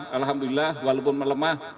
alhamdulillah walaupun melemah